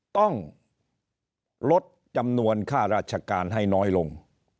ต้องลดจำนวนค่าราชการให้น้อยลง